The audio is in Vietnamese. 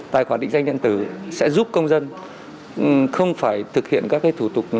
tài khoản định danh điện tử sẽ giúp công dân không phải thực hiện các thủ tục